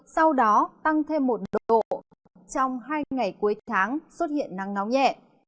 sau đó tăng thêm một độ trong hai ngày cuối tháng xuất hiện nắng nóng nhẹ